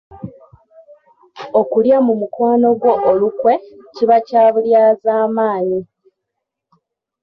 Okulya mu mukwano gwo olukwe kiba kya bulyazaamaanyi